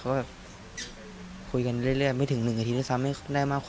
เขาคือกันเวลาก่อนไม่ถึง๑นาทีที่สำได้คุยกันมากซ้ะ